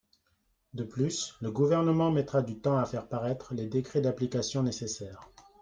De plus, le Gouvernement mettra du temps à faire paraître les décrets d’application nécessaires.